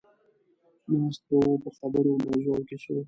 ناست به وو په خبرو، مزو او کیسو.